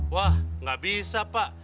wah gak bisa pak